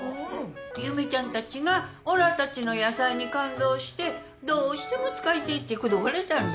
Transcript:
夢ちゃんたちがおらたちの野菜に感動してどうしても使いてえって口説かれたんだ。